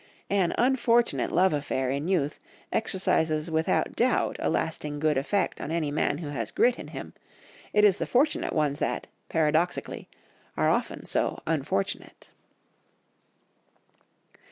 An unfortunate love affair in youth exercises without doubt a lasting good effect on any man who has grit in him, it is the fortunate ones that, paradoxically, are often so unfortunate.